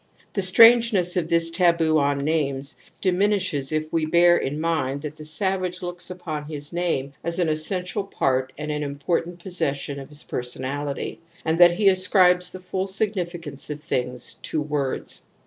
The strangeness of this taboo on names dimin ishes if we bear in mind that the savage looks *• Prazer, I.e., p. 360. 96 TOTEM AND TABOO upon his^'name as an essential part apd an impor tant possession of his personality, ^knd that he ascribes the full significance of things to words.